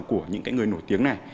của những cái người nổi tiếng này